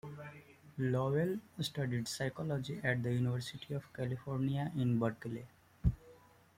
Lovell studied psychology at the University of California in Berkeley.